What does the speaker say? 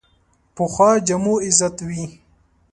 پخو جامو عزت وي